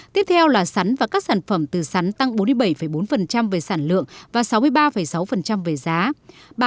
tiếp theo là sắn và các sản phẩm từ sắn tăng bốn mươi bảy bốn về sản lượng và sáu mươi ba sáu về giá